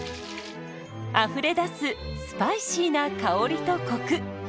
あふれ出すスパイシーな香りとコク。